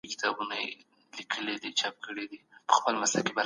خپل ځان له هر ډول ضرر او تاوان څخه وساتئ.